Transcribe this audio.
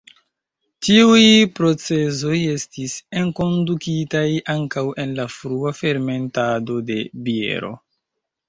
Tiuj procezoj estis enkondukitaj ankaŭ en la frua fermentado de biero.